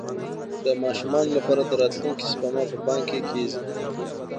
د ماشومانو لپاره د راتلونکي سپما په بانک کې کیږي.